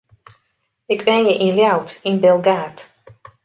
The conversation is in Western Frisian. Ik wenje yn Ljouwert, yn Bilgaard.